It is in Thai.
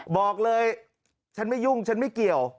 บอกเลยฉันไม่ยุ่งฉันไม่เกี่ยว